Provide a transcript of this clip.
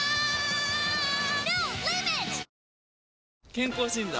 健康診断？